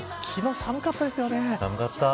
昨日は寒かったですよね。